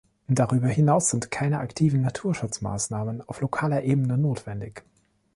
Darüber hinaus sind keine aktiven Naturschutzmaßnahmen auf lokaler Ebene notwendig.